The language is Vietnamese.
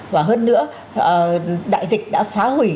và hơn nữa đại dịch đã phá hủy